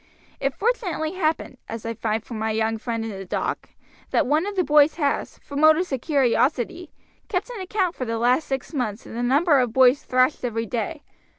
It fortunately happened, as I find from my young friend in the dock, that one of the boys has, from motives of curiosity, kept an account for the last six months of the number of boys thrashed every day.